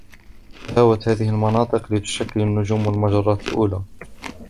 تهاوت هذه المناطق لتشكل النجوم والمجرات الأولى